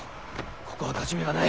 ここは勝ち目がない。